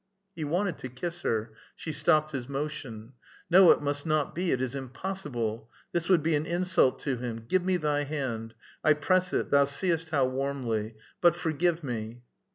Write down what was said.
He wanted to kiss her ; she stopped his motion. " No, it must not be ; it is impossible. This would be an insult to him. Give me thy hand. I press it, thou seest how warmly ! But forgive me."